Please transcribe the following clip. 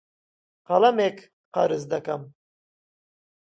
قەڵەمێک قەرز دەکەم.